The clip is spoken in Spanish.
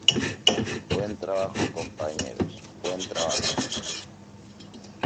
Buen trabajo, compañeros. Buen trabajo .